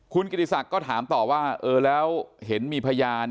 คุณกิติศักดิ์ก็ถามต่อว่าเออแล้วเห็นมีพยาน